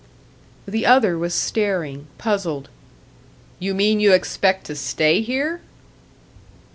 The other was staring, puzzled. "You mean you expect to stay here?"